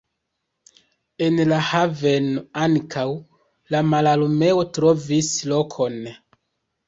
En la haveno ankaŭ la Mararmeo trovis lokon.